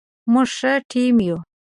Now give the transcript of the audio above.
موږ ښه ټیم یو